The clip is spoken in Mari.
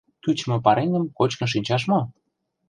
— Кӱчымӧ пареҥгым кочкын шинчаш мо?